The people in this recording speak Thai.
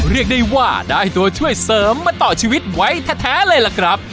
เรียกได้ว่าได้ตัวช่วยเสริมมาต่อชีวิตไว้แท้เลยล่ะครับ